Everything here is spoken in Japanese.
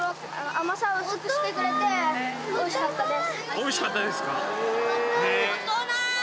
おいしかったですか？